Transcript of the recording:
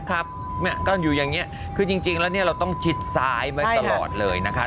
ขับมาขับก็อยู่อย่างงี้คือจริงเราต้องจิดซ้ายไว้ตลอดเลยนะคะ